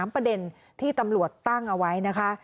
ประเด็นที่ตำรวจตั้งเอาไว้นะคะ